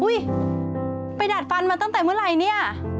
อุ๊ยไปดัดฟันมาตั้งแต่เมื่อไรนี่